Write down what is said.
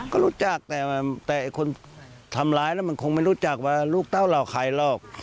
ก็รู้จักแต่คนทำร้ายแล้วมันคงไม่รู้จักว่าลูกเต้าเหล่าใครหรอก